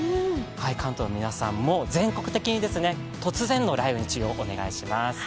関東の皆さんも全国的に突然の雷雨に注意をお願いします。